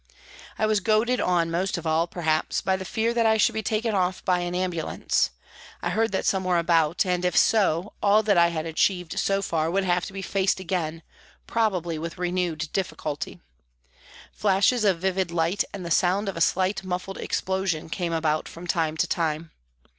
I was goaded on most of all, perhaps, by the fear that I should be taken off by an ambulance I heard that some were about and, if so, that all I had achieved so far would have to be faced again, probably with renewed difficulty. Flashes of vivid light and the sound of a slight muffled explosion came about from time to time.